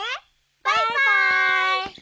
バイバイ。